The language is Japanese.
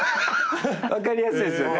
分かりやすいっすよね